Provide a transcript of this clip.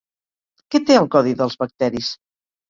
Què té el codi dels bacteris?